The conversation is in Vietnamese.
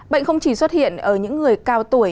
bệnh không chỉ xuất hiện ở những người cao tuổi